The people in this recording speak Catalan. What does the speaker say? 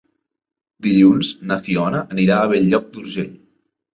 Dilluns na Fiona anirà a Bell-lloc d'Urgell.